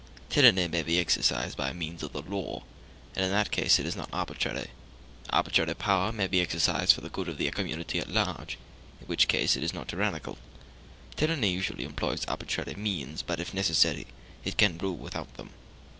Tyranny may be exercised by means of the law, and in that case it is not arbitrary; arbitrary power may be exercised for the good of the community at large, in which case it is not tyrannical. Tyranny usually employs arbitrary means, but, if necessary, it can rule without them.